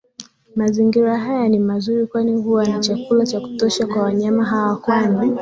Mazingira haya ni mazuri kwani huwa na chakula cha kutosha kwa wanyama hawa kwani